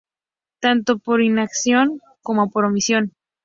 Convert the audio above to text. tanto por inacción como por omisión